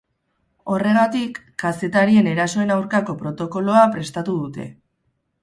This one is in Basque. Horregatik, kazetarien erasoen aurkako protokoloa prestatu dute.